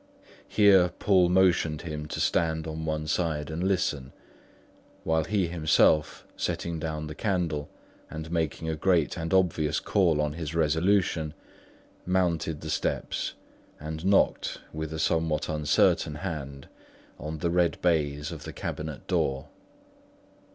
Here Poole motioned him to stand on one side and listen; while he himself, setting down the candle and making a great and obvious call on his resolution, mounted the steps and knocked with a somewhat uncertain hand on the red baize of the cabinet door.